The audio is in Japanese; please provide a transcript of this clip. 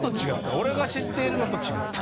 俺が知っているのと違った。